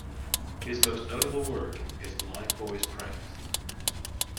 His most notable work is "Blind Boy's Pranks".